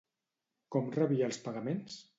Com rebia els pagaments?